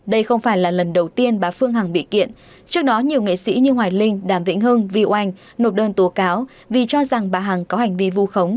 đây không phải là lần đầu tiên bà phương hằng bị kiện trước đó nhiều nghệ sĩ như hoài linh đàm vĩnh hưng vi oanh nộp đơn tố cáo vì cho rằng bà hằng có hành vi vu khống